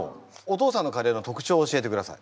お父さんのカレーの特徴を教えてください。